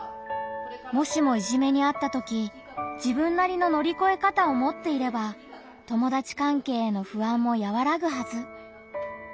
もしもいじめにあったとき自分なりの乗り越え方を持っていれば友達関係への不安もやわらぐはず。